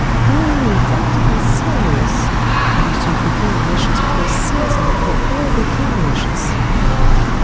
Oh, that is serious. M. Fouquet wishes precisely for all the king wishes."